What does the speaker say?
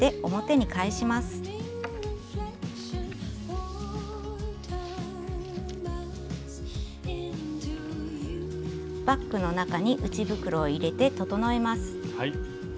バッグの中に内袋を入れて整えます。